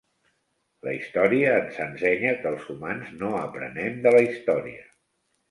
La història ens ensenya que els humans no aprenem de la història.